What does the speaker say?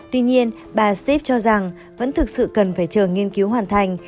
tuy nhiên bà step cho rằng vẫn thực sự cần phải chờ nghiên cứu hoàn thành